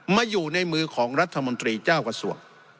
อยู่ในมือของรัฐมนตรีเจ้ากระทรวง